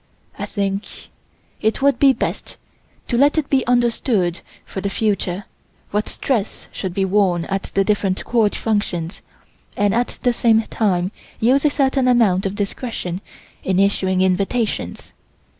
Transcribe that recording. I think it would be best to let it be understood for the future what dress should be worn at the different Court Functions, and at the same time use a certain amount of discretion in issuing invitations.